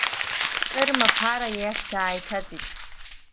Сырма Ԥара иахь дааиҭаҵит.